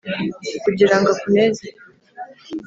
Kugira ngo akuneze